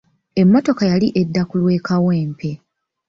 Emmotoka yali edda ku lw'e kawempe.